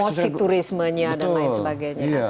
positif turismenya dan lain sebagainya